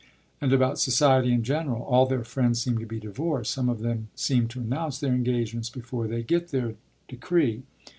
And about society in general. All their friends seem to be divorced; some of them seem to announce their engagements before they get their decree.